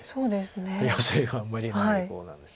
ヨセがあんまりない碁なんです。